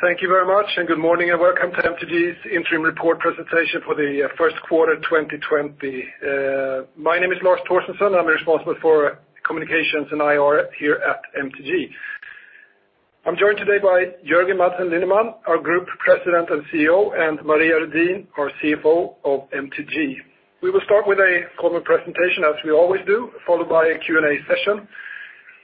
Thank you very much. Good morning and welcome to MTG's interim report presentation for the first quarter 2020. My name is Lars Torstensson. I'm responsible for communications and IR here at MTG. I'm joined today by Jörgen Madsen Lindemann, our Group President and CEO, and Maria Redin, our CFO of MTG. We will start with a common presentation as we always do, followed by a Q&A session.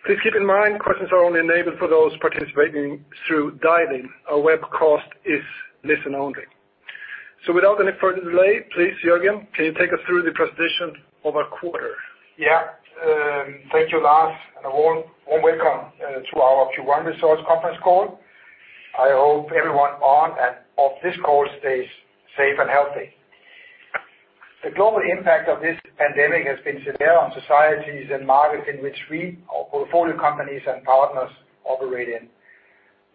Please keep in mind, questions are only enabled for those participating through dialing. Our webcast is listen-only. Without any further delay, please Jörgen, can you take us through the presentation of our quarter? Yeah. Thank you, Lars, and a warm welcome to our Q1 results conference call. I hope everyone on and of this call stays safe and healthy. The global impact of this pandemic has been severe on societies and markets in which we, our portfolio companies, and partners operate in.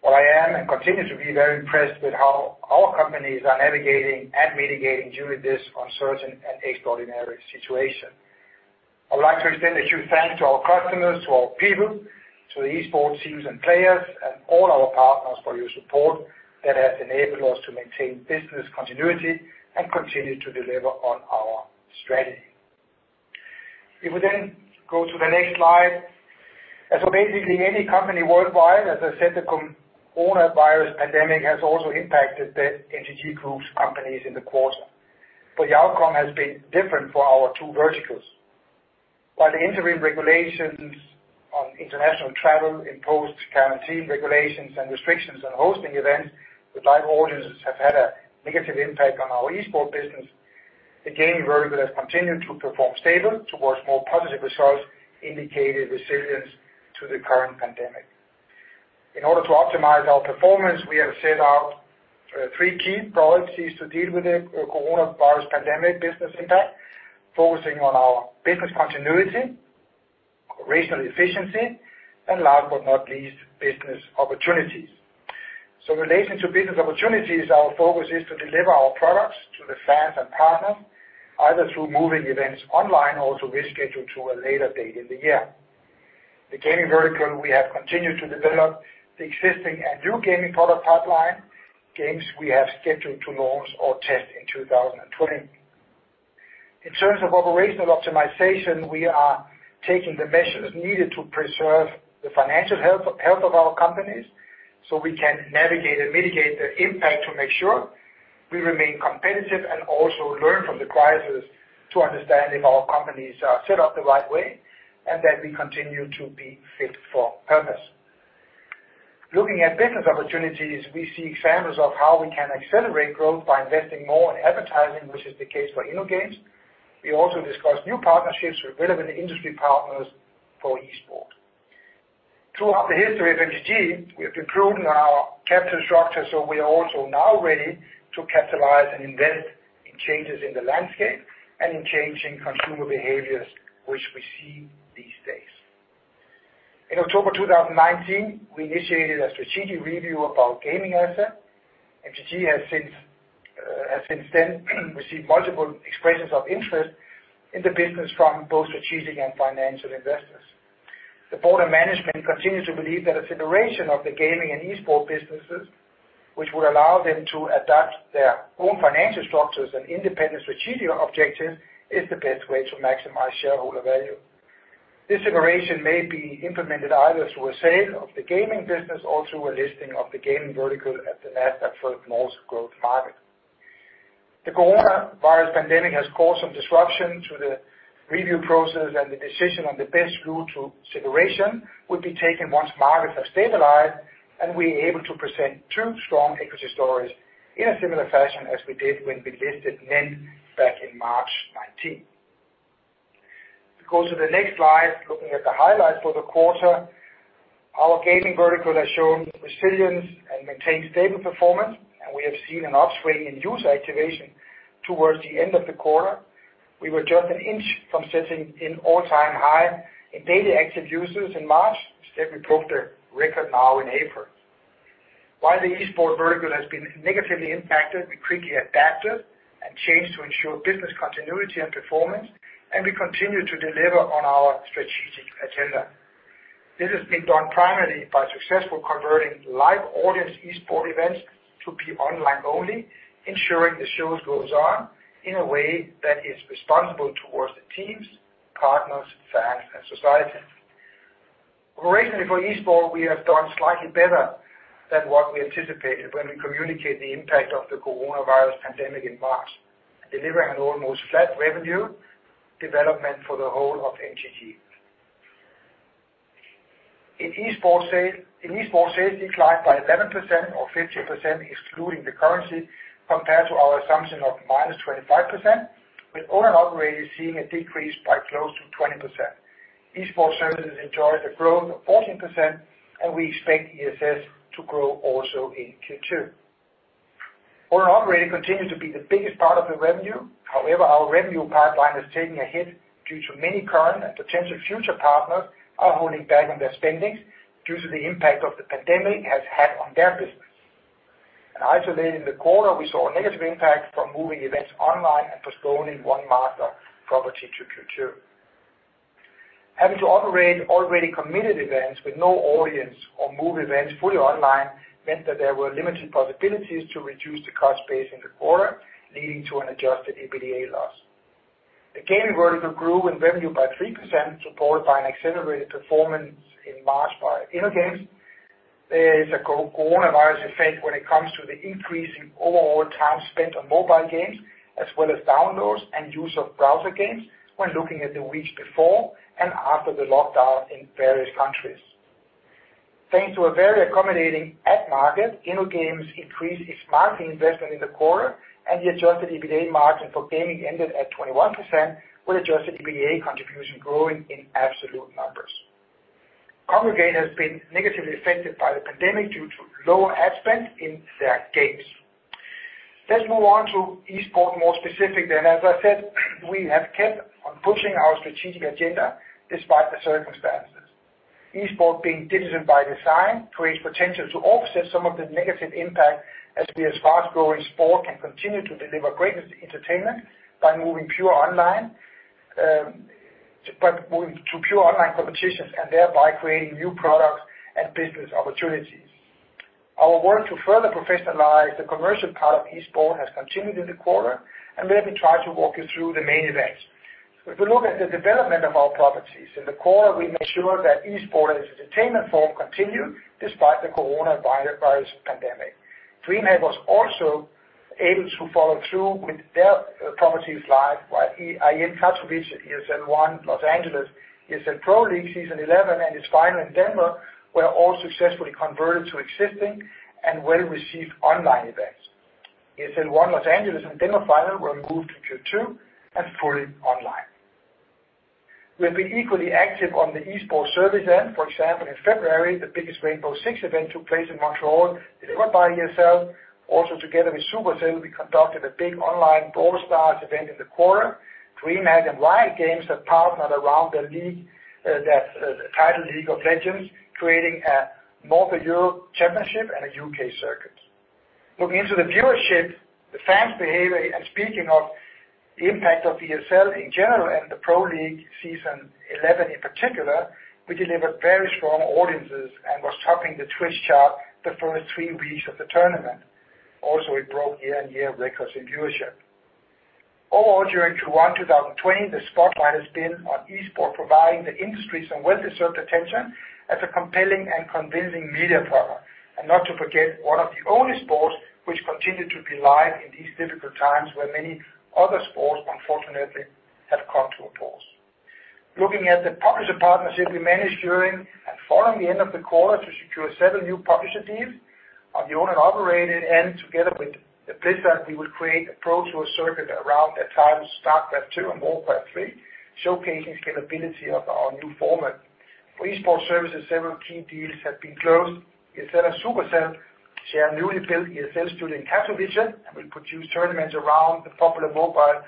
I am, and continue to be very impressed with how our companies are navigating and mitigating during this uncertain and extraordinary situation. I would like to extend a huge thanks to our customers, to our people, to the esports teams and players, and all our partners for your support that has enabled us to maintain business continuity and continue to deliver on our strategy. If we then go to the next slide. Basically any company worldwide, as I said, the coronavirus pandemic has also impacted the MTG Group's companies in the quarter, but the outcome has been different for our two verticals. While the interim regulations on international travel imposed quarantine regulations and restrictions on hosting events with live audiences have had a negative impact on our esports business, the gaming vertical has continued to perform stable towards more positive results, indicating resilience to the current pandemic. In order to optimize our performance, we have set out three key priorities to deal with the coronavirus pandemic business impact, focusing on our business continuity, operational efficiency, and last but not least, business opportunities. In relation to business opportunities, our focus is to deliver our products to the fans and partners, either through moving events online or to reschedule to a later date in the year. The gaming vertical, we have continued to develop the existing and new gaming product pipeline, games we have scheduled to launch or test in 2020. In terms of operational optimization, we are taking the measures needed to preserve the financial health of our companies, so we can navigate and mitigate the impact to make sure we remain competitive and also learn from the crisis to understand if our companies are set up the right way, and that we continue to be fit for purpose. Looking at business opportunities, we see examples of how we can accelerate growth by investing more in advertising, which is the case for InnoGames. We also discussed new partnerships with relevant industry partners for esports. Throughout the history of MTG, we have improved our capital structure, so we are also now ready to capitalize and invest in changes in the landscape and in changing consumer behaviors, which we see these days. In October 2019, we initiated a strategic review of our gaming asset. MTG has since then received multiple expressions of interest in the business from both strategic and financial investors. The board of management continues to believe that a separation of the gaming and esports businesses, which would allow them to adapt their own financial structures and independent strategic objectives, is the best way to maximize shareholder value. This separation may be implemented either through a sale of the gaming business or through a listing of the gaming vertical at the Nasdaq First North Growth Market. The coronavirus pandemic has caused some disruption to the review process, and the decision on the best route to separation will be taken once markets have stabilized and we are able to present two strong equity stories in a similar fashion as we did when we listed NENT Group back in March 2019. If we go to the next slide, looking at the highlights for the quarter. Our gaming vertical has shown resilience and maintained stable performance, and we have seen an upswing in user activation towards the end of the quarter. We were just an inch from setting an all-time high in daily active users in March. Instead, we broke the record now in April. While the esports vertical has been negatively impacted, we quickly adapted and changed to ensure business continuity and performance, and we continue to deliver on our strategic agenda. This has been done primarily by successfully converting live audience esports events to be online only, ensuring the show goes on in a way that is responsible towards the teams, partners, fans, and society. Operationally for esports, we have done slightly better than what we anticipated when we communicated the impact of the coronavirus pandemic in March, delivering an almost flat revenue development for the whole of MTG. In esports sales declined by 11% or 15% excluding the currency compared to our assumption of -25%, with Own & Operate seeing a decrease by close to 20%. Esports Services enjoyed a growth of 14%, and we expect ESS to grow also in Q2. Own & Operate continues to be the biggest part of the revenue. However, our revenue pipeline has taken a hit due to many current and potential future partners are holding back on their spendings due to the impact the pandemic has had on their business. Isolated in the quarter, we saw a negative impact from moving events online and postponing one master property to Q2. Having to operate already committed events with no audience or move events fully online meant that there were limited possibilities to reduce the cost base in the quarter, leading to an adjusted EBITDA loss. The gaming vertical grew in revenue by 3%, supported by an accelerated performance in March by InnoGames. There is a coronavirus effect when it comes to the increase in overall time spent on mobile games, as well as downloads and use of browser games, when looking at the weeks before and after the lockdown in various countries. Thanks to a very accommodating ad market, InnoGames increased its marketing investment in the quarter, and the adjusted EBITDA margin for gaming ended at 21% with adjusted EBITDA contribution growing in absolute numbers. Kongregate has been negatively affected by the pandemic due to lower ad spend in their games. Let's move on to esports more specific. As I said, we have kept on pushing our strategic agenda despite the circumstances. Esports being digital by design creates potential to offset some of the negative impact as this fast-growing sport can continue to deliver great entertainment by moving to pure online competitions, and thereby creating new products and business opportunities. Our work to further professionalize the commercial part of esports has continued in the quarter, and let me try to walk you through the main events. If we look at the development of our properties, in the quarter we made sure that esports as an entertainment form continued despite the coronavirus pandemic. DreamHack was also able to follow through with their properties live, like IEM Katowice, ESL One Los Angeles, ESL Pro League Season 11 and its final in Denver were all successfully converted to existing and well-received online events. ESL One Los Angeles and Denver final were moved to Q2 and fully online. We have been equally active on the esports service end. For example, in February, the biggest Rainbow Six event took place in Montreal, delivered by ESL. Also together with Supercell, we conducted a big online Brawl Stars event in the quarter. DreamHack and Riot Games have partnered around the league that titled League of Legends, creating a North Europe Championship and a U.K. circuit. Looking into the viewership, the fans behavior, and speaking of impact of ESL in general and the ESL Pro League Season 11 in particular, we delivered very strong audiences and was topping the Twitch chart the first three weeks of the tournament. It broke year-on-year records in viewership. Overall, during Q1 2020, the spotlight has been on esports providing the industry some well-deserved attention as a compelling and convincing media product. Not to forget, one of the only sports which continued to be live in these difficult times, where many other sports unfortunately have come to a pause. Looking at the publisher partnership we managed during and following the end of the quarter to secure several new publisher deals on the owned and operated end. Together with Blizzard, we will create a Pro Tour circuit around their titles StarCraft II and Warcraft III, showcasing scalability of our new format. For esports services, several key deals have been closed. ESL and Supercell share a newly built ESL studio in Katowice and will produce tournaments around the popular mobile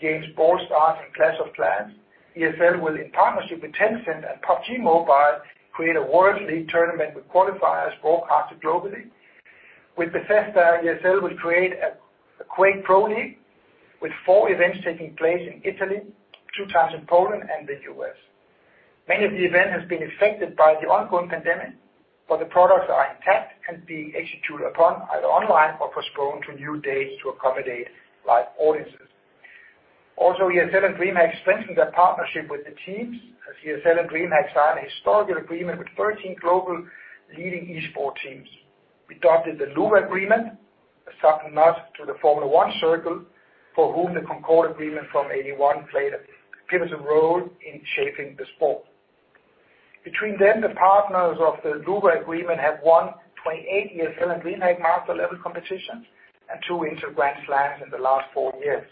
games Brawl Stars and Clash of Clans. ESL will, in partnership with Tencent and PUBG Mobile, create a World League tournament with qualifiers broadcasted globally. With Bethesda, ESL will create a Quake Pro League with four events taking place in Italy, two times in Poland, and the U.S. Many of the event has been affected by the ongoing pandemic, but the products are intact and being executed upon either online or postponed to new dates to accommodate live audiences. ESL and DreamHack strengthen their partnership with the teams as ESL and DreamHack signed a historical agreement with 13 global leading esports teams. We drafted the Louvre Agreement, a subtle nod to the Formula 1 circle, for whom the Concorde Agreement from 1981 played a pivotal role in shaping the sport. Between them, the partners of the Louvre Agreement have won 28 ESL and DreamHack master level competitions and two Intel Grand Slams in the last four years.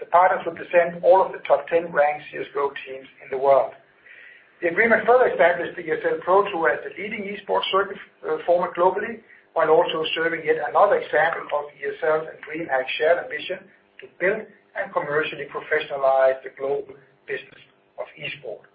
The partners represent all of the top 10 ranked CS:GO teams in the world. The agreement further establishes the ESL Pro Tour as the leading esports circuit format globally, while also serving yet another example of ESL and DreamHack's shared ambition to build and commercially professionalize the global business of esports.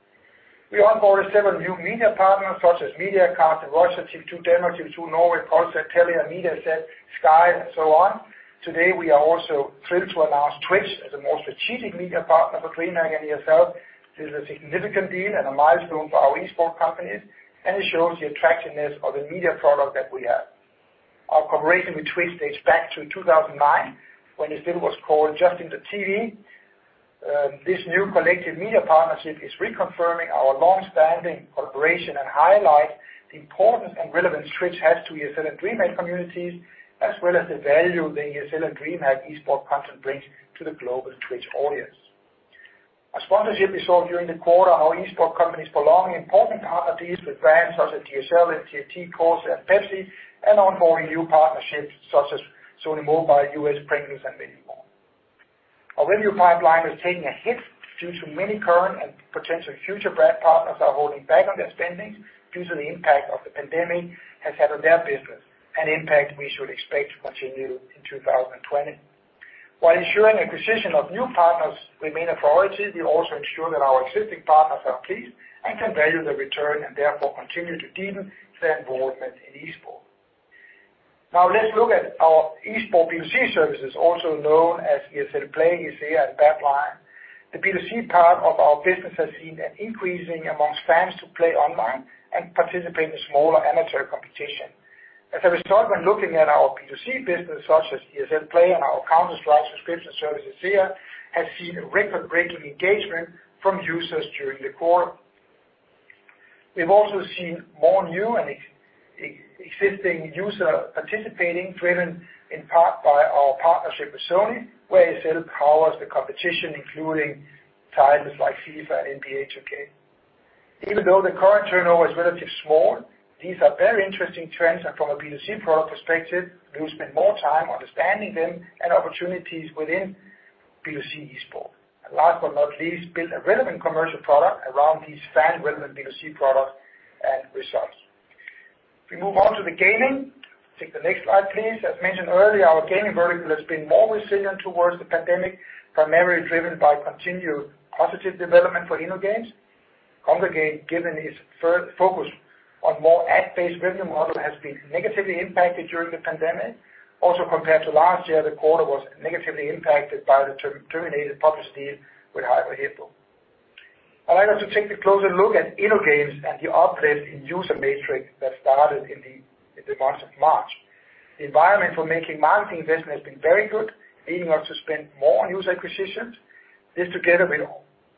We onboarded several new media partners such as Match TV in Russia, TV 2 Denmark, TV 2 Norway, Concept Tellier, Mediaset, Sky and so on. Today, we are also thrilled to announce Twitch as a more strategic media partner for DreamHack and ESL. This is a significant deal and a milestone for our esports companies, and it shows the attractiveness of the media product that we have. Our cooperation with Twitch dates back to 2009, when it still was called Justin.tv. This new collective media partnership is reconfirming our long-standing cooperation and highlight the importance and relevance Twitch has to ESL and DreamHack communities, as well as the value the ESL and DreamHack esports content brings to the global Twitch audience. As sponsorship we saw during the quarter our esports companies prolonging important partner deals with brands such as TSL and TT Course and Pepsi, and onboarding new partnerships such as Sony Mobile US, Pringles, and many more. Our revenue pipeline has taken a hit due to many current and potential future brand partners are holding back on their spendings due to the impact of the pandemic has had on their business. An impact we should expect to continue in 2020. While ensuring acquisition of new partners remain a priority, we also ensure that our existing partners are pleased and can value the return, and therefore continue to deepen their involvement in esport. Now let's look at our esport B2C services, also known as ESL Play, ESL, and Battle Line. The B2C part of our business has seen an increasing amongst fans to play online and participate in smaller amateur competition. As a result, when looking at our B2C business, such as ESL Play and our Counter-Strike subscription services here, has seen a record-breaking engagement from users during the quarter. We've also seen more new and existing user participating, driven in part by our partnership with Sony, where ESL powers the competition, including titles like FIFA and NBA 2K. Even though the current turnover is relatively small, these are very interesting trends. From a B2C product perspective, we will spend more time understanding them and opportunities within B2C esport. Last but not least, build a relevant commercial product around these fan relevant B2C product and results. If we move on to the gaming, take the next slide, please. As mentioned earlier, our gaming vertical has been more resilient towards the pandemic, primarily driven by continued positive development for InnoGames. Kongregate, given its focus on more ad-based revenue model, has been negatively impacted during the pandemic. Also, compared to last year, the quarter was negatively impacted by the terminated publish deal with Hyper Hippo. I'd like us to take a closer look at InnoGames and the uplift in user matrix that started in the month of March. The environment for making marketing investment has been very good, leading us to spend more on user acquisitions. This together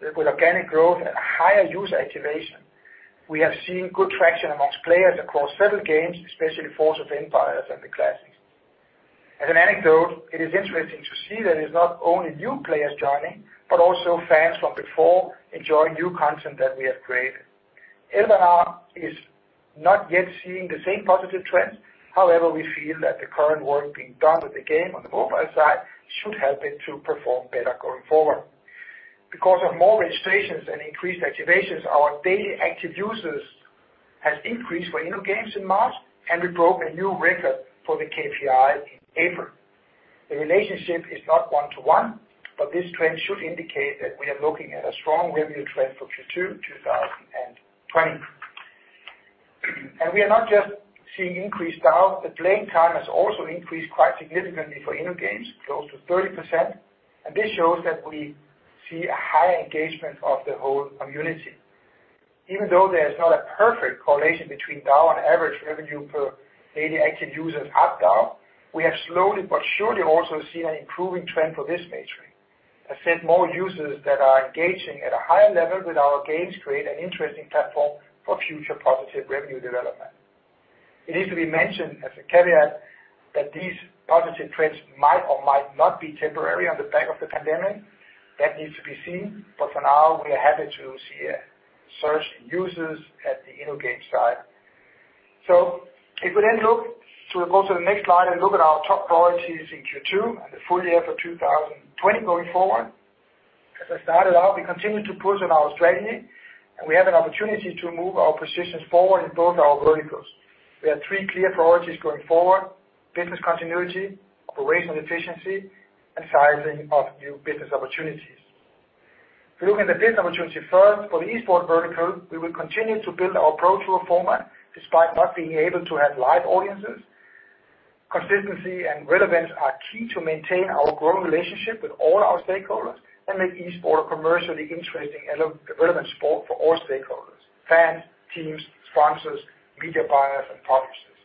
with organic growth and a higher user activation, we have seen good traction amongst players across several games, especially Forge of Empires and The Classics. As an anecdote, it is interesting to see that it's not only new players joining, but also fans from before enjoying new content that we have created. Elvenar is not yet seeing the same positive trends. However, we feel that the current work being done with the game on the mobile side should help it to perform better going forward. Because of more registrations and increased activations, our daily active users has increased for InnoGames in March, and we broke a new record for the KPI in April. The relationship is not one-to-one. This trend should indicate that we are looking at a strong revenue trend for Q2 2020. We are not just seeing increased hours, the playing time has also increased quite significantly for InnoGames, close to 30%, and this shows that we see a higher engagement of the whole community. Even though there is not a perfect correlation between now and average revenue per daily active users up now, we have slowly but surely also seen an improving trend for this matrix. As said, more users that are engaging at a higher level with our games create an interesting platform for future positive revenue development. It needs to be mentioned as a caveat that these positive trends might or might not be temporary on the back of the pandemic. That needs to be seen, but for now, we are happy to see a surge in users at the InnoGames side. If we then look at the next slide and look at our top priorities in Q2 and the full- year for 2020 going forward. As I started out, we continue to push on our strategy, and we have an opportunity to move our positions forward in both our verticals. We have three clear priorities going forward: business continuity, operational efficiency, and sizing of new business opportunities. If you look at the business opportunity first for the esport vertical, we will continue to build our approach to a format despite not being able to have live audiences. Consistency and relevance are key to maintain our growing relationship with all our stakeholders and make esport commercially interesting and a relevant sport for all stakeholders, fans, teams, sponsors, media buyers, and publishers.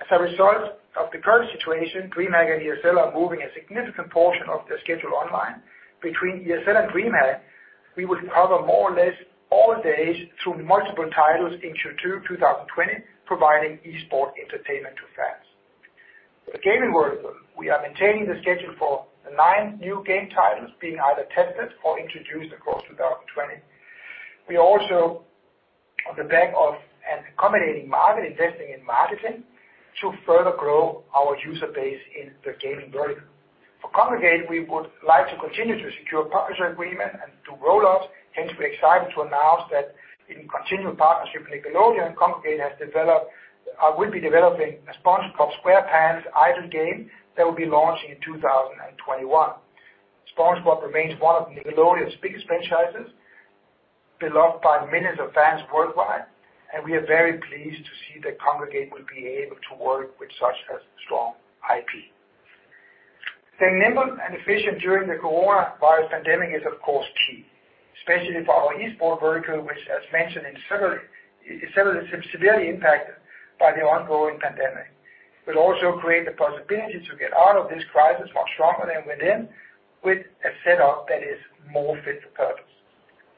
As a result of the current situation, DreamHack and ESL are moving a significant portion of their schedule online. Between ESL and DreamHack, we will cover more or less all days through multiple titles in Q2 2020, providing esport entertainment to fans. For the gaming world, we are maintaining the schedule for the nine new game titles being either tested or introduced across 2020. We also, on the back of an accommodating market, investing in marketing to further grow our user base in the gaming vertical. For Kongregate, we would like to continue to secure publisher agreement and to roll off. Hence, we're excited to announce that in continual partnership with Nickelodeon, Kongregate has developed or will be developing a SpongeBob SquarePants idle game that will be launching in 2021. SpongeBob remains one of Nickelodeon's biggest franchises, beloved by millions of fans worldwide, and we are very pleased to see that Kongregate will be able to work with such a strong IP. Staying nimble and efficient during the coronavirus pandemic is, of course, key, especially for our esport vertical, which as mentioned is severely impacted by the ongoing pandemic. It will also create the possibility to get out of this crisis much stronger than we're in, with a setup that is more fit for purpose.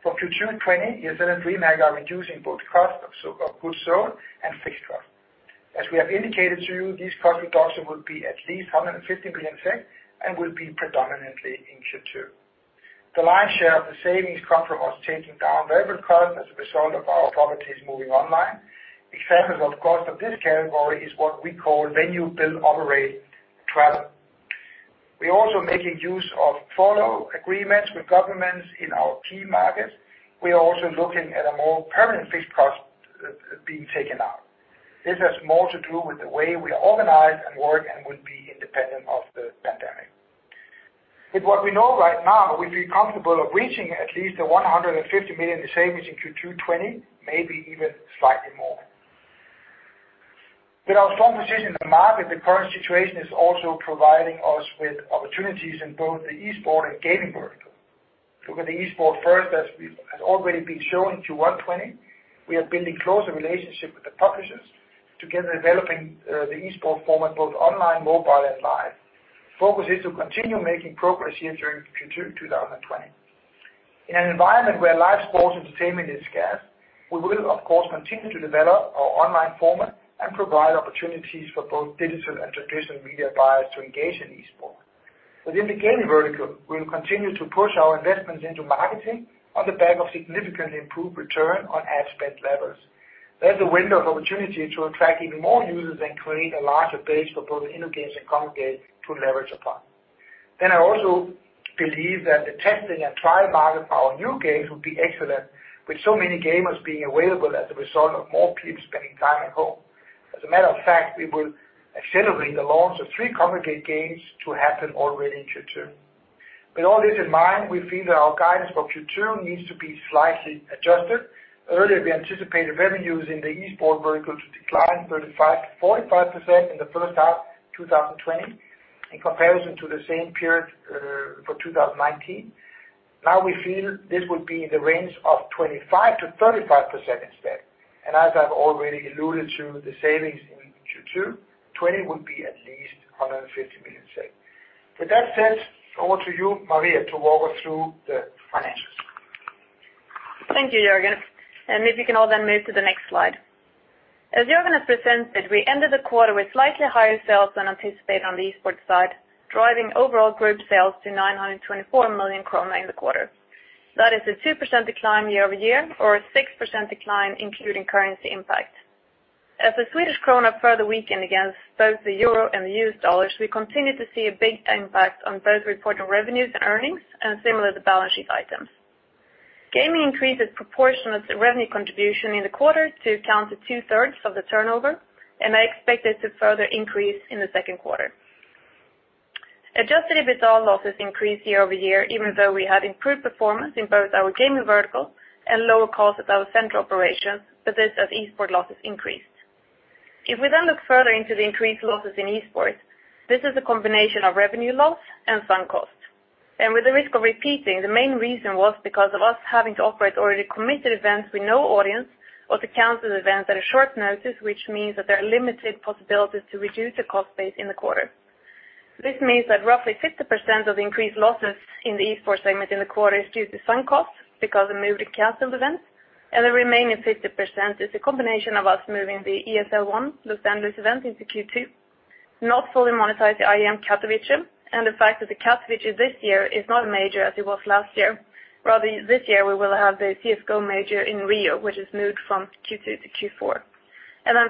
For Q2 '20, ESL and DreamHack are reducing both cost of goods sold and fixed cost. As we have indicated to you, these cost reduction will be at least 150 million and will be predominantly in Q2 2020. The lion's share of the savings come from us taking down variable cost as a result of our properties moving online. Examples, of course, of this category is what we call venue build operate travel. We're also making use of furlough agreements with governments in our key markets. We are also looking at a more permanent fixed costs be taken out. This has more to do with the way we organize and work and would be independent of the pandemic. With what we know right now, we'd be comfortable of reaching at least the 150 million in savings in Q2 2020, maybe even slightly more. With our strong position in the market, the current situation is also providing us with opportunities in both the esports and gaming world. with the esports first, as already been shown in Q1 '20, we are building closer relationship with the publishers together developing the esports format, both online, mobile, and live. Focus is to continue making progress here during 2020. In an environment where live sports entertainment is scarce, we will of course, continue to develop our online format and provide opportunities for both digital and traditional media buyers to engage in esports. Within the gaming vertical, we'll continue to push our investments into marketing on the back of significantly improved return on ad spend levels. There's a window of opportunity to attract even more users and create a larger base for both InnoGames and Kongregate to leverage upon. I also believe that the testing and trial market for our new games will be excellent with so many gamers being available as a result of more people spending time at home. As a matter of fact, we will accelerate the launch of three Kongregate games to happen already in Q2. With all this in mind, we feel that our guidance for Q2 needs to be slightly adjusted. Earlier, we anticipated revenues in the esports vertical to decline 35%-45% in the first half 2020 in comparison to the same period for 2019. Now we feel this will be in the range of 25%-35% instead. as I've already alluded to, the savings in Q2 '20 will be at least 150 million saving. With that said, over to you, Maria, to walk us through the financials. Thank you, Jörgen. If you can all then move to the next slide. As Jörgen has presented, we ended the quarter with slightly higher sales than anticipated on the esports side, driving overall group sales to 924 million krona in the quarter. That is a 2% decline year-over-year or a 6% decline including currency impact. As the Swedish krona further weakened against both the euro and the US dollars, we continue to see a big impact on both reported revenues and earnings, and similar to balance sheet items. Gaming increased its proportion of the revenue contribution in the quarter to account to 2/3 of the turnover, and I expect this to further increase in the second quarter. Adjusted EBITDA losses increased year-over-year, even though we had improved performance in both our gaming vertical and lower costs at our central operations, but this as esports losses increased. If we then look further into the increased losses in esports, this is a combination of revenue loss and sunk costs. With the risk of repeating, the main reason was because of us having to operate already committed events with no audience or to cancel events at a short notice, which means that there are limited possibilities to reduce the cost base in the quarter. This means that roughly 50% of the increased losses in the esports segment in the quarter is due to sunk costs because of moved and canceled events, and the remaining 50% is a combination of us moving the ESL One Los Angeles event into Q2, not fully monetized the IEM Katowice, and the fact that the Katowice this year is not a major as it was last year. Rather this year, we will have the CS:GO major in Rio, which is moved from Q2 to Q4.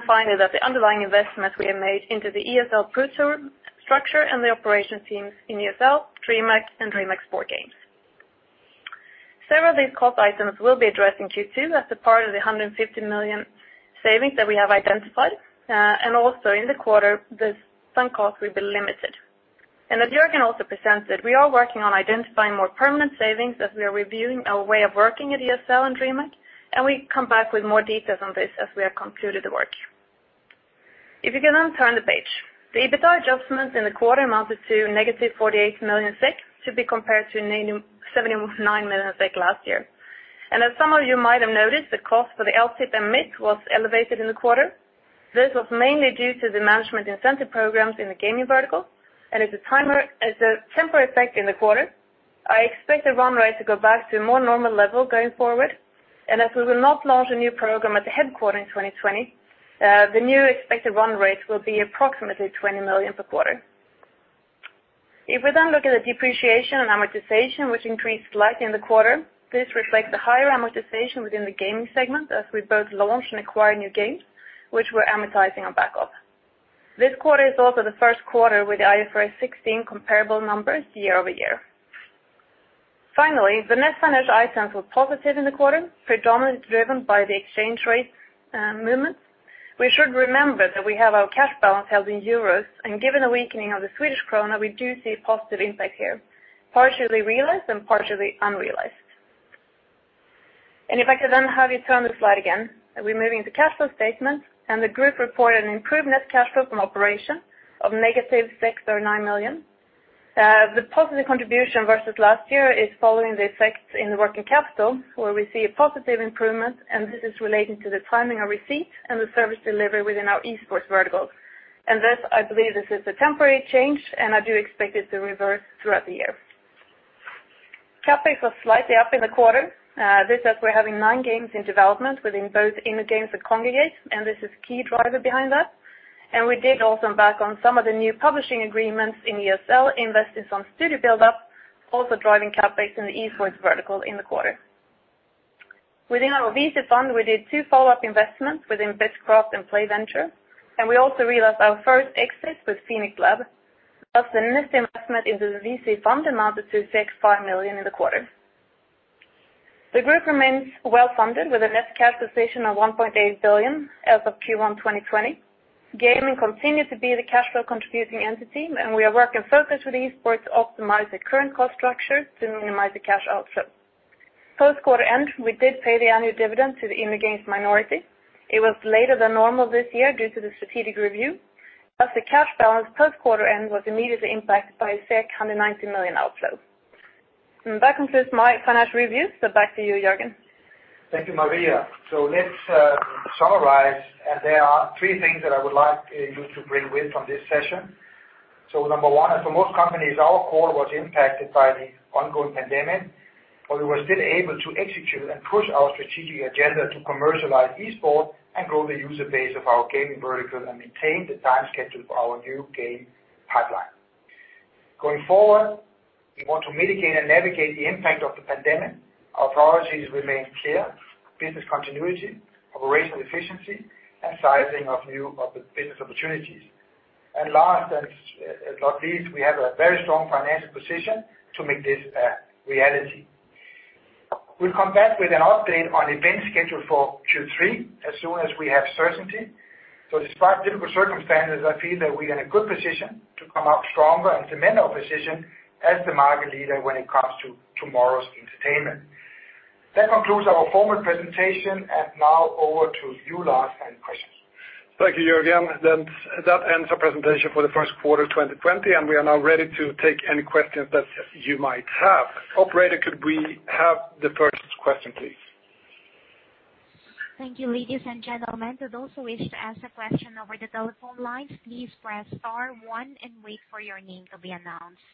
Finally, that the underlying investments we have made into the ESL Pro Tour structure and the operation teams in ESL, DreamHack, and DreamHack Sports Games. Several of these cost items will be addressed in Q2 as a part of the 150 million savings that we have identified. Also in the quarter, the sunk costs will be limited. as Jörgen also presented, we are working on identifying more permanent savings as we are reviewing our way of working at ESL and DreamHack, and we come back with more details on this as we have concluded the work. If you can then turn the page. The EBITDA adjustments in the quarter amounted to -48 million SEK to be compared to 79 million SEK last year. as some of you might have noticed, the cost for the LTIP and MIP was elevated in the quarter. This was mainly due to the management incentive programs in the gaming vertical, and as a temporary effect in the quarter. I expect the run rate to go back to a more normal level going forward. As we will not launch a new program at the headquarters in 2020, the new expected run rate will be approximately 20 million per quarter. If we then look at the depreciation and amortization, which increased slightly in the quarter, this reflects the higher amortization within the gaming segment as we both launch and acquire new games, which we're amortizing on backup. This quarter is also the first quarter with IFRS 16 comparable numbers year-over-year. Finally, the net financial items were positive in the quarter, predominantly driven by the exchange rate movements. We should remember that we have our cash balance held in euros, and given the weakening of the Swedish krona, we do see a positive impact here, partially realized and partially unrealized. If I could then have you turn the slide again, we're moving to cash flow statement, and the group reported an improved net cash flow from operation of negative 639 million. The positive contribution versus last year is following the effects in the working capital where we see a positive improvement, and this is relating to the timing of receipt and the service delivery within our esports vertical. This, I believe this is a temporary change, and I do expect it to reverse throughout the year. CapEx was slightly up in the quarter. This as we're having nine games in development within both InnoGames and Kongregate, and this is key driver behind that. We did also embark on some of the new publishing agreements in ESL, invested some studio buildup, also driving CapEx in the esports vertical in the quarter. Within our VC fund, we did two follow-up investments within Bitkraft and Play Ventures, and we also realized our first exit with Phoenix Labs. Thus, the net investment into the VC fund amounted to 65 million in the quarter. The group remains well-funded with a net cash position of 1.8 billion as of Q1 2020. Gaming continued to be the cash flow contributing entity, and we are working focused with esports to optimize the current cost structure to minimize the cash outflow. Post quarter end, we did pay the annual dividend to the InnoGames minority. It was later than normal this year due to the strategic review. Thus the cash balance post quarter end was immediately impacted by a 190 million outflow. That concludes my financial review, so back to you, Jörgen. Thank you, Maria. Let's summarize. There are three things that I would like you to bring with from this session. Number one, as for most companies, our quarter was impacted by the ongoing pandemic, but we were still able to execute and push our strategic agenda to commercialize esports and grow the user base of our gaming vertical and maintain the time schedule for our new game pipeline. Going forward, we want to mitigate and navigate the impact of the pandemic. Our priorities remain clear: business continuity, operational efficiency, and sizing of new business opportunities. Last but not least, we have a very strong financial position to make this a reality. We'll come back with an update on event schedule for Q3 as soon as we have certainty. despite difficult circumstances, I feel that we are in a good position to come out stronger and cement our position as the market leader when it comes to tomorrow's entertainment. That concludes our formal presentation, and now over to you, Lars, for any questions. Thank you, Jörgen. That ends our presentation for the first quarter 2020, and we are now ready to take any questions that you might have. Operator, could we have the first question, please? Thank you, ladies and gentlemen. For those who wish to ask a question over the telephone lines, please press star one and wait for your name to be announced.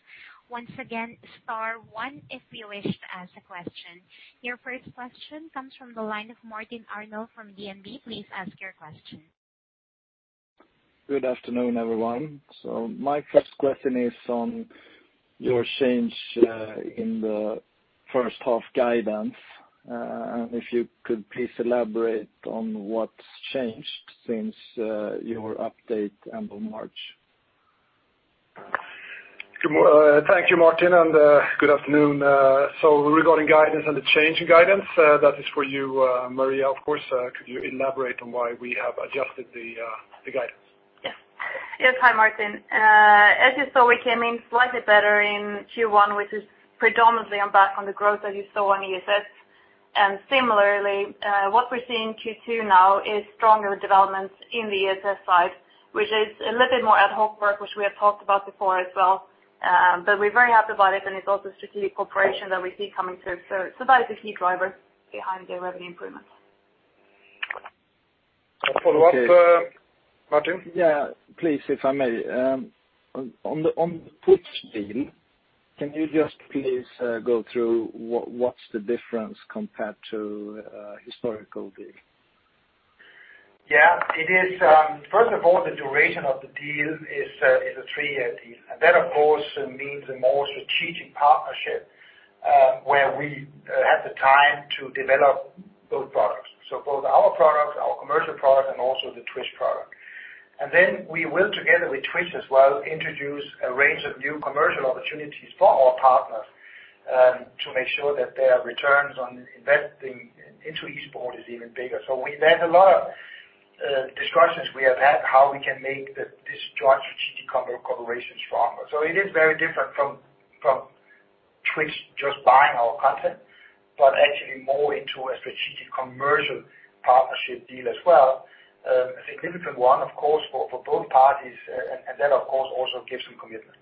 Once again, star one if you wish to ask a question. Your first question comes from the line of Martin Arnold from DNB. Please ask your question. Good afternoon, everyone. My first question is on your change in the first half guidance. If you could please elaborate on what's changed since your update end of March? Thank you, Martin, and good afternoon. regarding guidance and the change in guidance, that is for you, Maria, of course. Could you elaborate on why we have adjusted the guidance? Yes. Hi, Martin. As you saw, we came in slightly better in Q1, which is predominantly on the back of the growth that you saw on ESS. Similarly, what we see in Q2 now is stronger developments in the ESS side, which is a little bit more ad hoc work, which we have talked about before as well. We're very happy about it, and it's also strategic cooperation that we see coming through. That is the key driver behind the revenue improvements. A follow-up, Martin? Yeah. Please, if I may. On the Twitch deal, can you just please go through what's the difference compared to a historical deal? Yeah. First of all, the duration of the deal is a three-year deal. That of course means a more strategic partnership, where we have the time to develop both products. Both our products, our commercial product, and also the Twitch product. We will, together with Twitch as well, introduce a range of new commercial opportunities for our partners to make sure that their returns on investing into esports is even bigger. There's a lot of discussions we have had, how we can make this joint strategic cooperation stronger. It is very different from Twitch just buying our content, but actually more into a strategic commercial partnership deal as well. A significant one, of course, for both parties, and that of course also gives some commitment.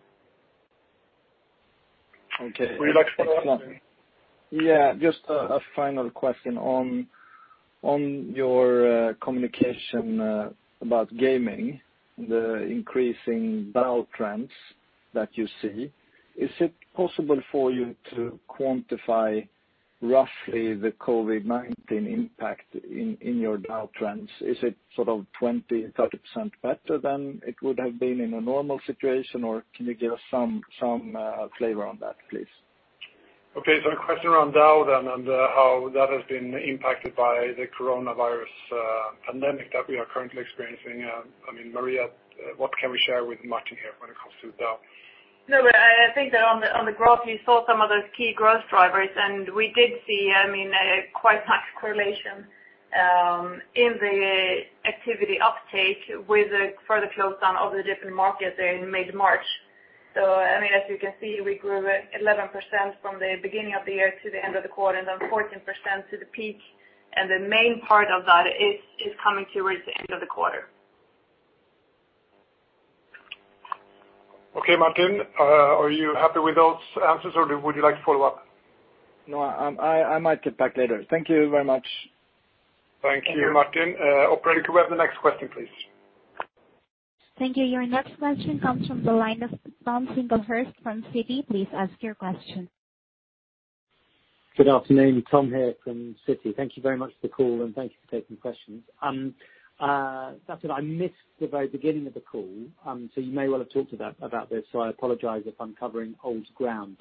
Okay. Would you like to follow up, Martin? Yeah. Just a final question. On your communication about gaming, the increasing DAU trends that you see, is it possible for you to quantify roughly the COVID-19 impact in your DAU trends? Is it sort of 20%, 30% better than it would have been in a normal situation, or can you give us some flavor on that, please? Okay, a question around DAU then, and how that has been impacted by the coronavirus pandemic that we are currently experiencing. Maria, what can we share with Martin here when it comes to DAU? No, I think that on the growth, you saw some of those key growth drivers. We did see quite much correlation in the activity uptake with the further close down of the different markets in mid-March. As you can see, we grew 11% from the beginning of the year to the end of the quarter, and then 14% to the peak. The main part of that is coming towards the end of the quarter. Okay, Martin, are you happy with those answers, or would you like to follow up? No, I might get back later. Thank you very much. Thank you, Martin. Operator, could we have the next question, please? Thank you. Your next question comes from the line of Tom Singlehurst from Citigroup. Please ask your question. Good afternoon. Tom here from Citigroup. Thank you very much for the call, and thank you for taking questions. Sorry, I missed the very beginning of the call, so you may well have talked about this, so I apologize if I'm covering old ground.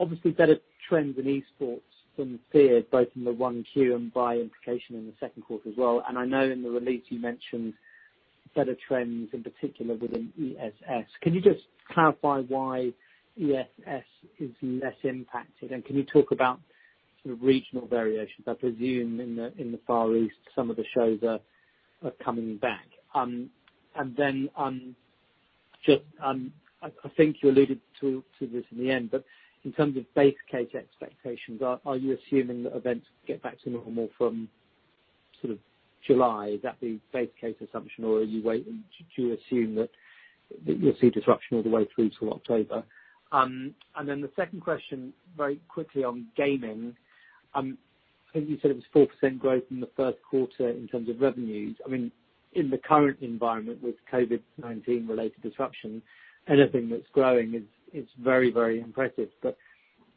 Obviously better trends in esports than feared, both in Q1 and by implication in the second quarter as well. I know in the release you mentioned better trends, in particular within ESS. Can you just clarify why ESS is less impacted, and can you talk about sort of regional variations? I presume in the Far East, some of the shows are coming back. Then, I think you alluded to this in the end, but in terms of base case expectations, are you assuming that events get back to normal from sort of July? Is that the base case assumption? Do you assume that you'll see disruption all the way through till October? The second question, very quickly on gaming. I think you said it was 4% growth in the first quarter in terms of revenues. In the current environment with COVID-19 related disruptions, anything that's growing is very, very impressive.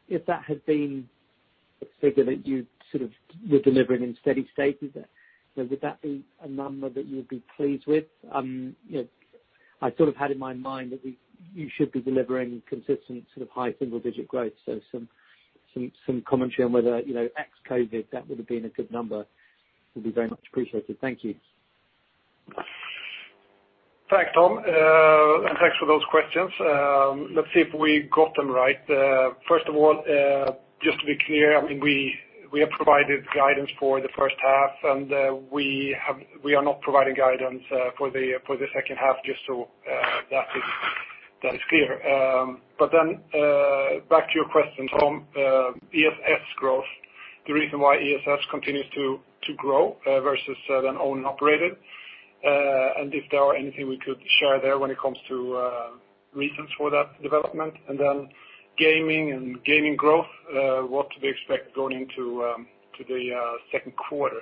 If that had been a figure that you sort of were delivering in steady state, would that be a number that you'd be pleased with? I sort of had in my mind that you should be delivering consistent sort of high single-digit growth. Some commentary on whether, ex-COVID, that would have been a good number would be very much appreciated. Thank you. Thanks, Tom. Thanks for those questions. Let's see if we got them right. First of all, just to be clear, we have provided guidance for the first half, and we are not providing guidance for the second half, just so that is clear. Back to your question, Tom, ESS growth, the reason why ESS continues to grow versus the owned and operated. If there are anything we could share there when it comes to reasons for that development. Gaming and gaming growth, what to expect going into the second quarter.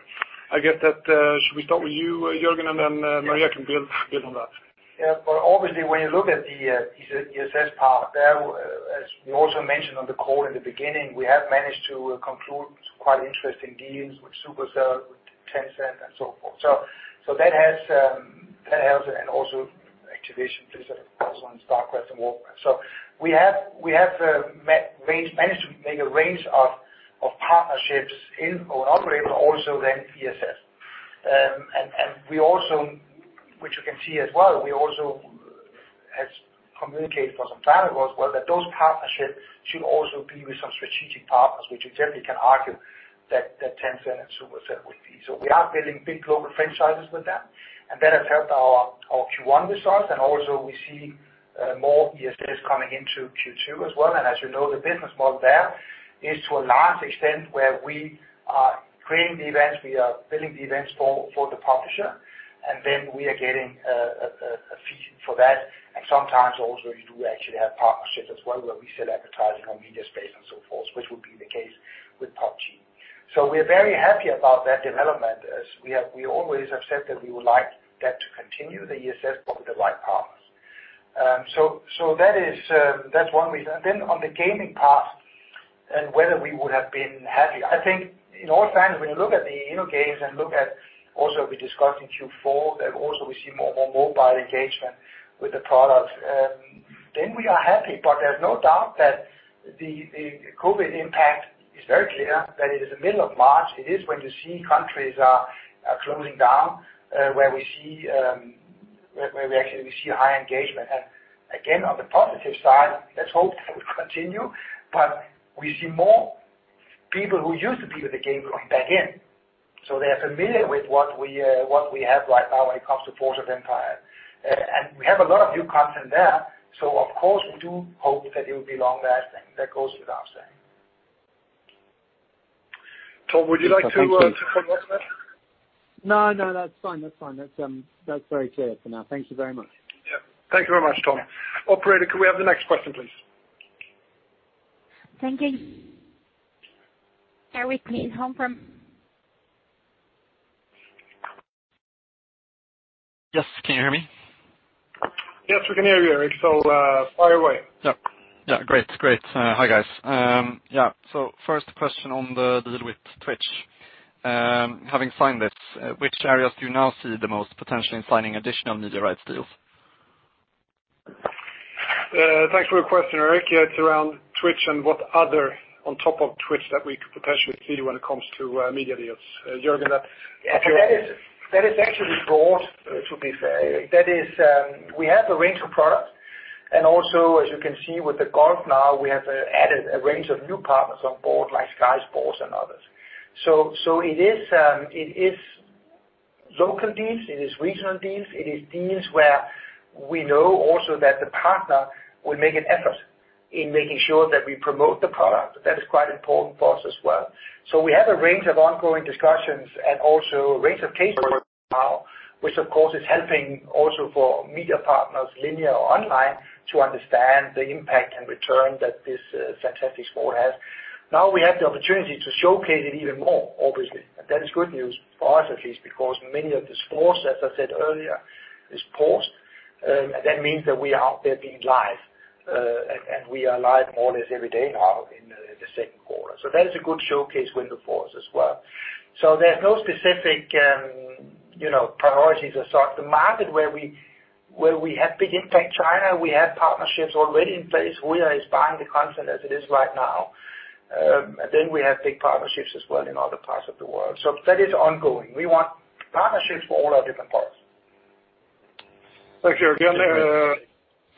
Should we start with you, Jörgen, and then Maria can build on that. Yeah. obviously, when you look at the ESS part there, as we also mentioned on the call in the beginning, we have managed to conclude quite interesting deals with Supercell, with Tencent, and so forth. that has, and also activation plays a part also on StarCraft and Warcraft. we have managed to make a range of partnerships in owned and operated, but also then ESS. Which you can see as well, we also have communicated for some time as well that those partnerships should also be with some strategic partners, which you generally can argue that Tencent and Supercell would be. we are building big global franchises with them. that has helped our Q1 results, and also we see more ESS coming into Q2 as well. as you know, the business model there is to a large extent where we are creating the events, we are building the events for the publisher, and then we are getting a fee for that. sometimes also, you do actually have partnerships as well, where we sell advertising on media space and so forth, which would be the case with PUBG. we are very happy about that development as we always have said that we would like that to continue, the ESS, but with the right partners. that's one reason. on the gaming part and whether we would have been happy. I think in all fairness, when you look at the InnoGames and look at also we discussed in Q4, that also we see more mobile engagement with the products, then we are happy. there's no doubt that the COVID impact is very clear, that it is the middle of March, it is when you see countries are closing down, where we actually see a high engagement. Again, on the positive side, let's hope that will continue, but we see more people who used to be with the game going back in. They are familiar with what we have right now when it comes to Forge of Empires. We have a lot of new content there, so of course, we do hope that it will be long-lasting. That goes without saying. Tom, would you like to follow up on that? No, that's fine. That's very clear for now. Thank you very much. Yeah. Thank you very much, Tom. Operator, could we have the next question, please? Thank you. Erik Nyholm from- Yes, can you hear me? Yes, we can hear you, Erik. Fire away. Yeah. Great. Hi, guys. Yeah. First question on the deal with Twitch. Having signed this, which areas do you now see the most potential in signing additional media rights deals? Thanks for your question, Erik. It's around Twitch and what other on top of Twitch that we could potentially see when it comes to media deals. Jörgen, that- That is actually broad, to be fair. We have a range of products, and also, as you can see with the golf now, we have added a range of new partners on board, like Sky Sports and others. It is local deals, it is regional deals, it is deals where we know also that the partner will make an effort in making sure that we promote the product. That is quite important for us as well. We have a range of ongoing discussions and also a range of case studies now, which of course is helping also for media partners, linear or online, to understand the impact and return that this fantastic sport has. Now we have the opportunity to showcase it even more, obviously. That is good news for us at least, because many of the sports, as I said earlier, is paused. That means that we are out there being live. We are live more or less every day now in the second quarter. That is a good showcase window for us as well. There's no specific priorities as such. The market where we have big impact China, we have partnerships already in place where it's buying the content as it is right now. We have big partnerships as well in other parts of the world. That is ongoing. We want partnerships for all our different parts. Thank you, Jörgen.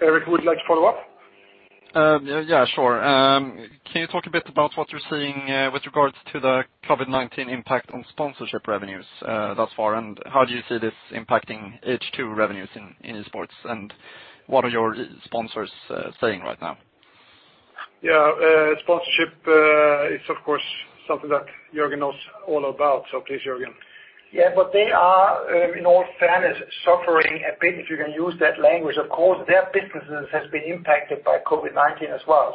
Erik, would you like to follow up? Yeah, sure. Can you talk a bit about what you're seeing with regards to the COVID-19 impact on sponsorship revenues thus far, and how do you see this impacting H2 revenues in esports, and what are your sponsors saying right now? Yeah. Sponsorship is, of course, something that Jörgen knows all about, so please, Jörgen. Yeah, they are, in all fairness, suffering a bit, if you can use that language. Of course, their businesses has been impacted by COVID-19 as well.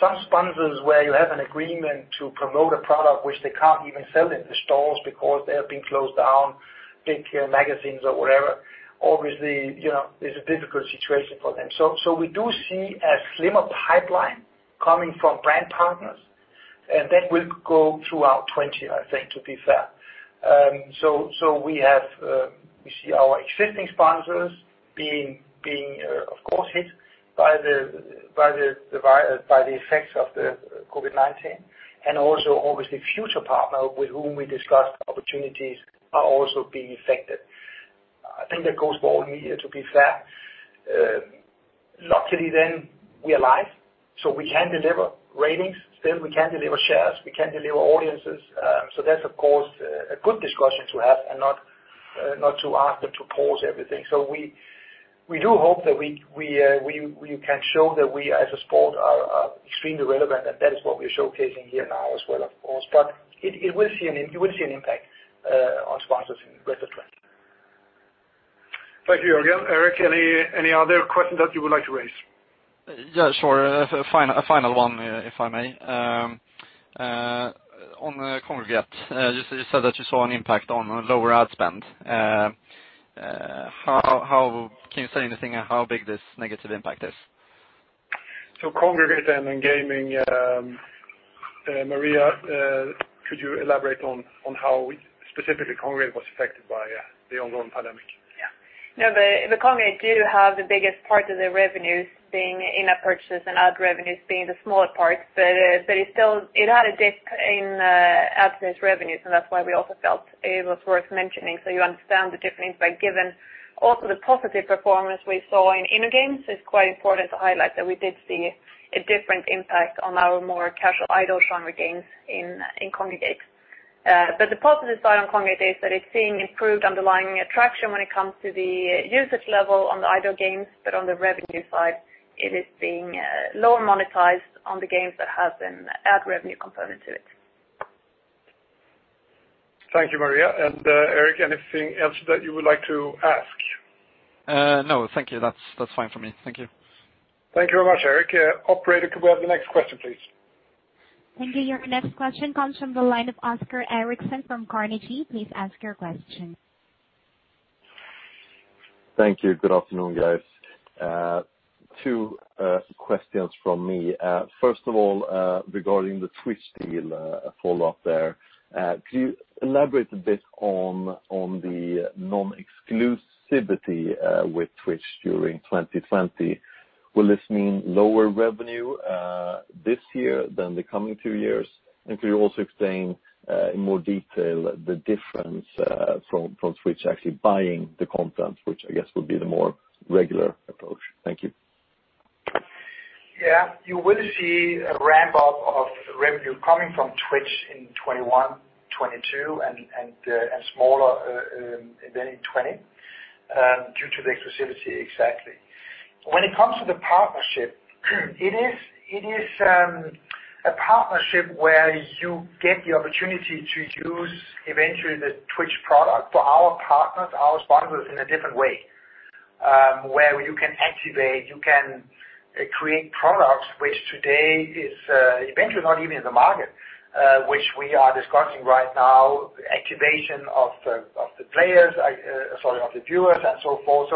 Some sponsors where you have an agreement to promote a product which they can't even sell in the stores because they have been closed down, big magazines or whatever, obviously, it's a difficult situation for them. We do see a slimmer pipeline coming from brand partners, and that will go throughout '20, I think, to be fair. We see our existing sponsors being, of course, hit by the effects of the COVID-19, and also, obviously, future partner with whom we discussed opportunities are also being affected. I think that goes for all media, to be fair. Luckily then, we are live, so we can deliver ratings still, we can deliver shares, we can deliver audiences. that's, of course, a good discussion to have and not to ask them to pause everything. we do hope that we, as a sport, are extremely relevant, and that is what we're showcasing here now as well, of course. you will see an impact on sponsors in the rest of '20. Thank you, Jörgen. Erik, any other question that you would like to raise? Yeah, sure. A final one, if I may. On Kongregate, you said that you saw an impact on lower ad spend. Can you say anything on how big this negative impact is? Kongregate and gaming, Maria, could you elaborate on how specifically Kongregate was affected by the ongoing pandemic? Yeah. No, Kongregate do have the biggest part of the revenues being in-app purchases, and ad revenues being the smaller part. It had a dip in ad revenues, and that's why we also felt it was worth mentioning, so you understand the different impact given also the positive performance we saw in InnoGames. It's quite important to highlight that we did see a different impact on our more casual idle genre games in Kongregate. The positive side on Kongregate is that it's seeing improved underlying traction when it comes to the usage level on the idle games. On the revenue side, it is being lower monetized on the games that have an ad revenue component to it. Thank you, Maria. Erik, anything else that you would like to ask? No, thank you. That's fine for me. Thank you. Thank you very much, Erik. Operator, could we have the next question, please? Thank you. Your next question comes from the line of Oskar Eriksson from Carnegie. Please ask your question. Thank you. Good afternoon, guys. Two questions from me. First of all, regarding the Twitch deal follow-up there, could you elaborate a bit on the non-exclusivity with Twitch during 2020? Will this mean lower revenue this year than the coming two years? Could you also explain in more detail the difference from Twitch actually buying the content, which I guess would be the more regular approach? Thank you. Yeah. You will see a ramp-up of revenue coming from Twitch in '21, '22, and smaller than in '20 due to the exclusivity, exactly. When it comes to the partnership, it is a partnership where you get the opportunity to use eventually the Twitch product for our partners, our sponsors, in a different way, where you can activate, you can create products, which today is eventually not even in the market, which we are discussing right now, activation of the viewers and so forth.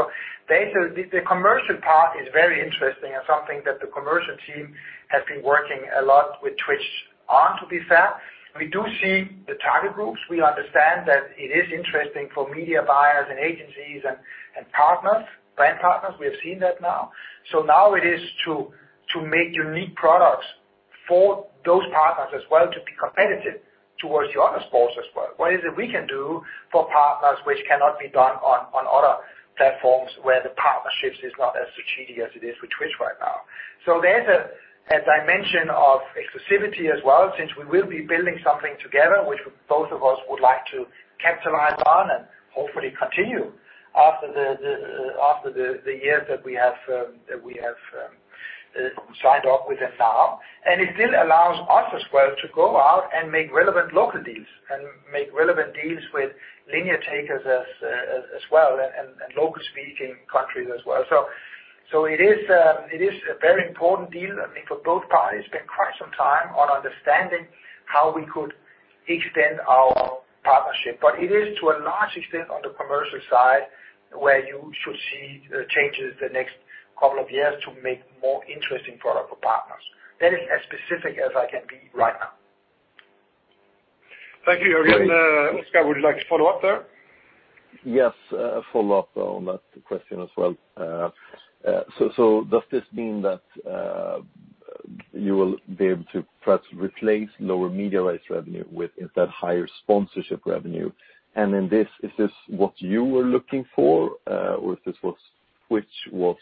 Basically, the commercial part is very interesting and something that the commercial team has been working a lot with Twitch on, to be fair. We do see the target groups. We understand that it is interesting for media buyers and agencies and partners, brand partners. We have seen that now. now it is to make unique products for those partners as well to be competitive towards the other sports as well. What is it we can do for partners which cannot be done on other platforms where the partnerships is not as strategic as it is with Twitch right now? there's a, as I mentioned, of exclusivity as well, since we will be building something together, which both of us would like to capitalize on and hopefully continue after the years that we have signed off with them now. it still allows us as well to go out and make relevant local deals and make relevant deals with linear takers as well, and local speaking countries as well. it is a very important deal, I think, for both parties. Spent quite some time on understanding how we could extend our partnership. It is to a large extent on the commercial side where you should see changes the next couple of years to make more interesting product for partners. That is as specific as I can be right now. Thank you, Jörgen. Oskar, would you like to follow up there? Yes, follow up on that question as well. Does this mean that you will be able to perhaps replace lower media rights revenue with instead higher sponsorship revenue? Is this what you were looking for or if this was Twitch was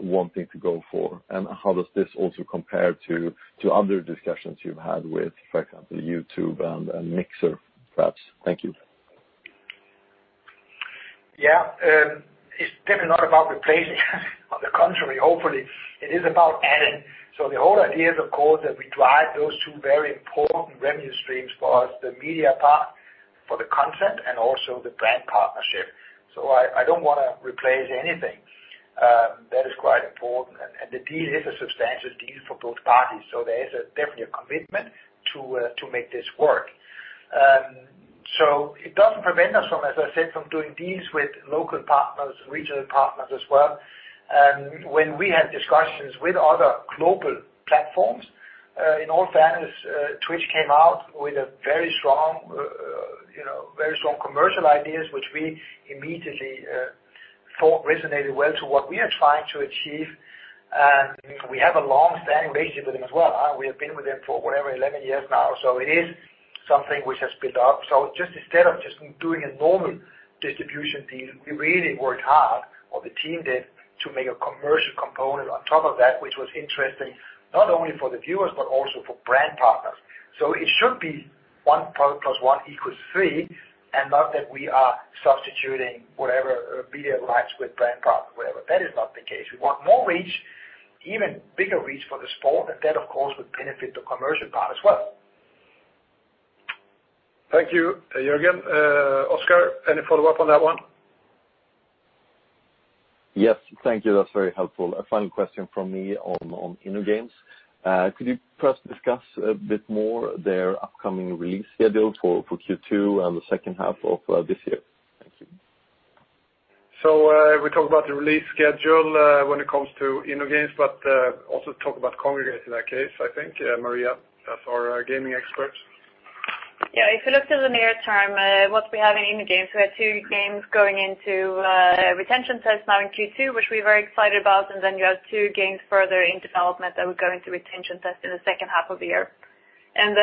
wanting to go for, and how does this also compare to other discussions you've had with, for example, YouTube and Mixer, perhaps? Thank you. Yeah. It's definitely not about replacing. On the contrary, hopefully it is about adding. The whole idea is, of course, that we drive those two very important revenue streams for us, the media part for the content, and also the brand partnership. I don't want to replace anything. That is quite important, and the deal is a substantial deal for both parties. There is definitely a commitment to make this work. It doesn't prevent us from, as I said, from doing deals with local partners, regional partners as well. When we had discussions with other global platforms, in all fairness, Twitch came out with very strong commercial ideas, which we immediately thought resonated well to what we are trying to achieve. We have a long-standing relationship with them as well. We have been with them for whatever, 11 years now. It is something which has built up. Just instead of just doing a normal distribution deal, we really worked hard or the team did, to make a commercial component on top of that, which was interesting, not only for the viewers, but also for brand partners. It should be one plus one equals three, and not that we are substituting whatever media rights with brand partners, whatever. That is not the case. We want more reach, even bigger reach for the sport, and that, of course, would benefit the commercial part as well. Thank you, Jörgen. Oskar, any follow-up on that one? Yes. Thank you. That's very helpful. A final question from me on InnoGames. Could you perhaps discuss a bit more their upcoming release schedule for Q2 and the second half of this year? Thank you. we talk about the release schedule when it comes to InnoGames, but also talk about Kongregate in that case, I think, Maria, as our gaming expert. Yeah, if you look to the near- term what we have in InnoGames, we have two games going into retention test now in Q2, which we're very excited about. You have two games further in development that will go into retention test in the second half of the year. In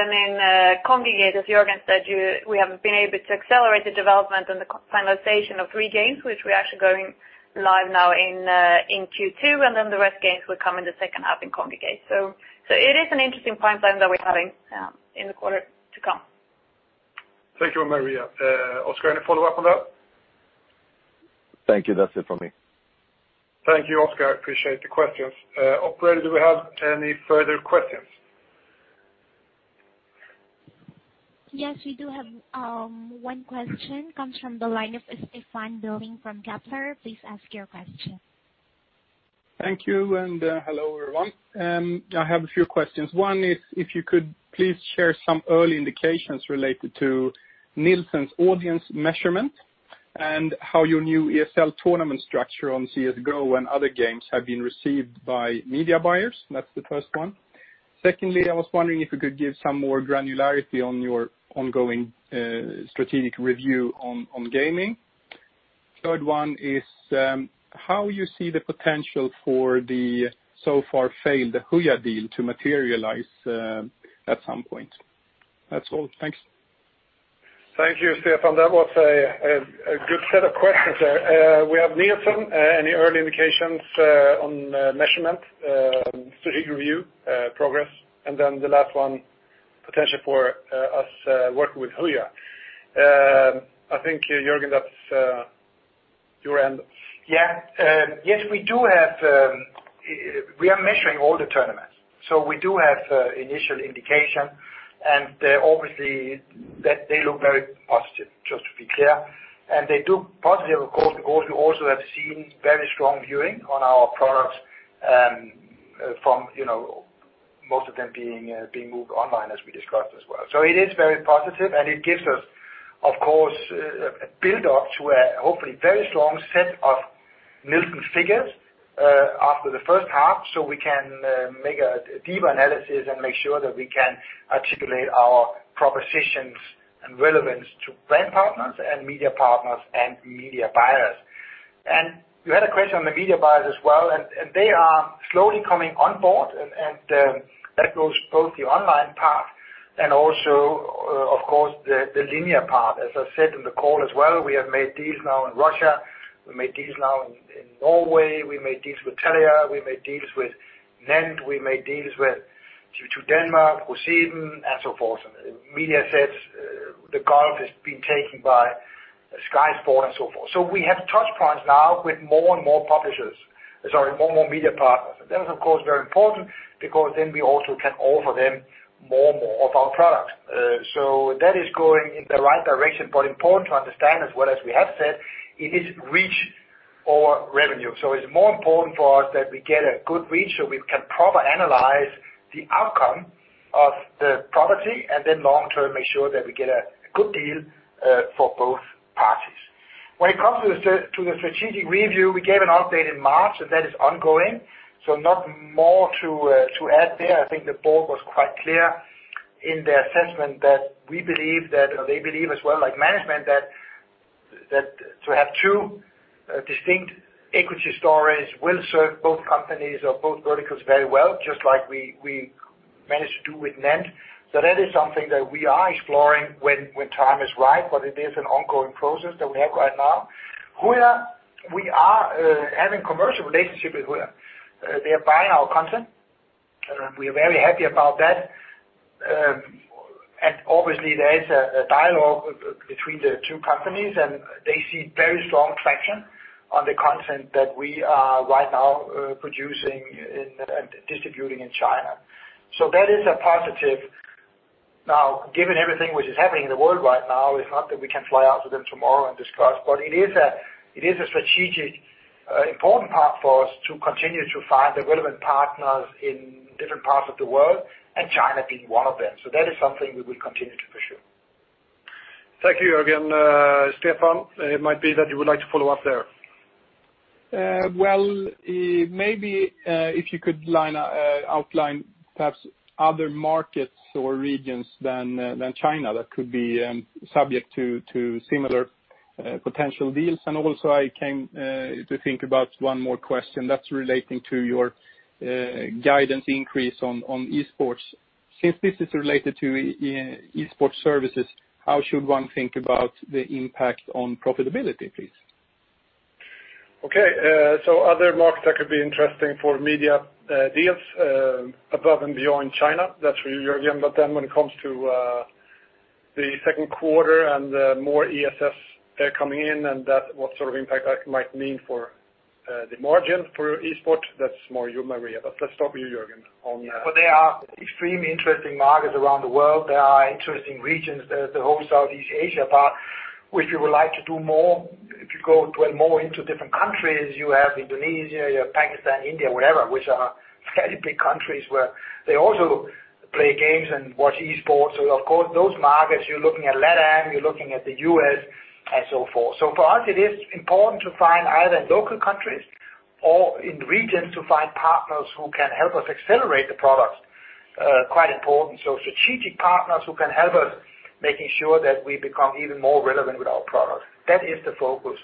Kongregate, as Jørgen said, we have been able to accelerate the development and the finalization of three games, which we're actually going live now in Q2, and then the rest games will come in the second half in Kongregate. It is an interesting pipeline that we're having in the quarter to come. Thank you, Maria. Oskar, any follow-up on that? Thank you. That's it from me. Thank you, Oskar. Appreciate the questions. Operator, do we have any further questions? Yes, we do have one question, comes from the line of Stefan Billing from Kepler. Please ask your question. Thank you, and hello, everyone. I have a few questions. One is if you could please share some early indications related to Nielsen's audience measurement and how your new ESL tournament structure on CS:GO and other games have been received by media buyers. That's the first one. Secondly, I was wondering if you could give some more granularity on your ongoing strategic review on gaming. Third one is how you see the potential for the so far failed Huya deal to materialize at some point. That's all. Thanks. Thank you, Stefan. That was a good set of questions there. We have Nielsen, any early indications on measurement, strategic review progress, and then the last one, potential for us working with Huya. I think, Jörgen, that's your end. Yeah. Yes, we are measuring all the tournaments, so we do have initial indication, and obviously they look very positive, just to be clear, and they do positive, of course, because we also have seen very strong viewing on our products from most of them being moved online as we discussed as well. It is very positive, and it gives us, of course, a build-up to a hopefully very strong set of Nielsen figures after the first half so we can make a deeper analysis and make sure that we can articulate our propositions and relevance to brand partners and media partners and media buyers. You had a question on the media buyers as well, and they are slowly coming on board, and that goes both the online part and also, of course, the linear part. As I said in the call as well, we have made deals now in Russia, we made deals now in Norway, we made deals with Telia, we made deals with NENT, we made deals with TV 2 Denmark, Huseen, and so forth. Mediaset, the Gulf has been taken by Sky Sports and so forth. We have touchpoints now with more and more media partners. That is, of course, very important because then we also can offer them more of our products. That is going in the right direction, but important to understand as well as we have said, it is reach or revenue. it's more important for us that we get a good reach so we can proper analyze the outcome of the property, and then long-term, make sure that we get a good deal for both. When it comes to the strategic review, we gave an update in March, and that is ongoing, so not more to add there. I think the board was quite clear in their assessment that they believe as well, like management, that to have two distinct equity stories will serve both companies or both verticals very well, just like we managed to do with NAND. that is something that we are exploring when time is right, but it is an ongoing process that we have right now. Huya, we are having commercial relationship with Huya. They're buying our content. We are very happy about that. obviously there is a dialogue between the two companies, and they see very strong traction on the content that we are right now producing and distributing in China. that is a positive. Now, given everything which is happening in the world right now, it's not that we can fly out to them tomorrow and discuss, but it is a strategic important path for us to continue to find the relevant partners in different parts of the world, and China being one of them. that is something we will continue to pursue. Thank you, Jörgen. Stefan, it might be that you would like to follow up there. Well, maybe if you could outline perhaps other markets or regions than China that could be subject to similar potential deals. also I came to think about one more question that's relating to your guidance increase on esports. Since this is related to esports services, how should one think about the impact on profitability, please? Okay. other markets that could be interesting for media deals above and beyond China, that's for you, Jörgen. when it comes to the second quarter and more ESS coming in, and what sort of impact that might mean for the margin for esports, that's more you, Maria. let's start with you, Jörgen, on- Well, there are extremely interesting markets around the world. There are interesting regions, the whole Southeast Asia part, which we would like to do more. If you go more into different countries, you have Indonesia, you have Pakistan, India, whatever, which are fairly big countries where they also play games and watch esports. Of course, those markets, you're looking at LATAM, you're looking at the U.S., and so forth. For us, it is important to find either local countries or in regions to find partners who can help us accelerate the products. Quite important. Strategic partners who can help us, making sure that we become even more relevant with our products. That is the focus.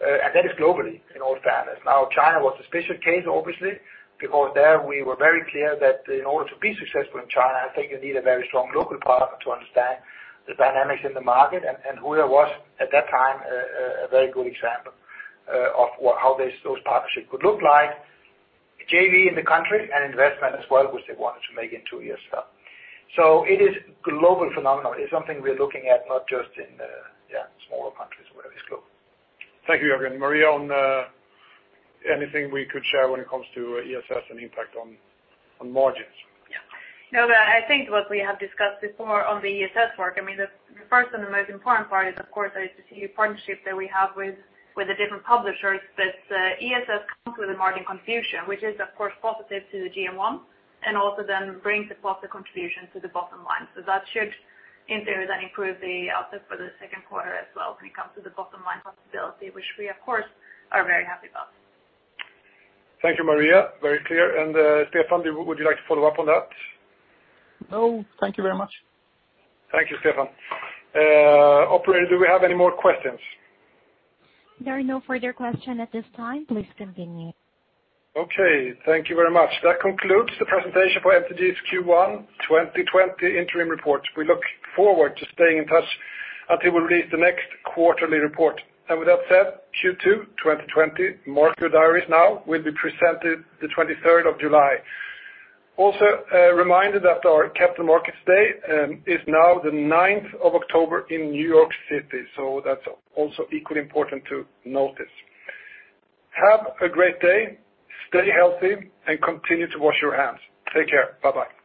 That is globally, in all fairness. Now, China was a special case, obviously, because there we were very clear that in order to be successful in China, I think you need a very strong local partner to understand the dynamics in the market. Huya was, at that time, a very good example of how those partnerships could look like. A JV in the country, and investment as well, which they wanted to make in Two Year Stuff. It is global phenomenon. It's something we're looking at, not just in smaller countries. It's global. Thank you, Jörgen. Maria, on anything we could share when it comes to ESS and impact on margins? Yeah. No, I think what we have discussed before on the ESS work, the first and the most important part is, of course, the strategic partnerships that we have with the different publishers, that ESS comes with a margin contribution, which is, of course, positive to the GM1, and also then brings a positive contribution to the bottom line. That should, in theory, then improve the outlook for the second quarter as well when it comes to the bottom-line profitability, which we of course are very happy about. Thank you, Maria. Very clear. Stefan, would you like to follow up on that? No. Thank you very much. Thank you, Stefan. Operator, do we have any more questions? There are no further questions at this time. Please continue. Okay. Thank you very much. That concludes the presentation for MTG's Q1 2020 interim report. We look forward to staying in touch until we release the next quarterly report. With that said, Q2 2020, mark your diaries now, will be presented the 23rd of July. Also, a reminder that our Capital Markets Day is now the 9th of October in New York City, so that's also equally important to notice. Have a great day, stay healthy, and continue to wash your hands. Take care. Bye-bye